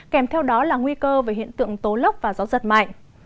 kèm theo đó là nguy cơ về hiện tượng tố lốc và gió giật mạnh